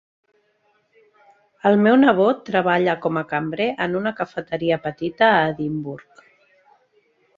El meu nebot treballa com a cambrer en una cafeteria petita a Edimburg.